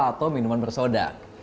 atau minuman bersoda